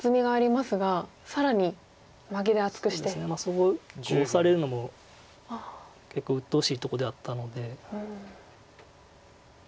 そこオサれるのも結構うっとうしいとこではあったので。